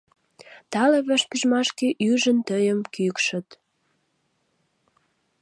Тале вашпижмашке ӱжын тыйым кӱкшыт.